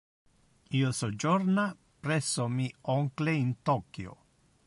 Io sojorna presso mi oncle in Tokio.